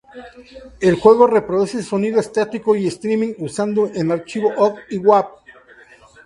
El juego reproduce sonido estático y streaming usando en archivos ogg y wav.